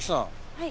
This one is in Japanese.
はい。